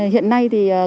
hiện nay thì